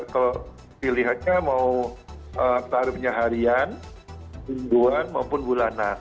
kalau dilihatnya mau tarifnya harian mingguan maupun bulanan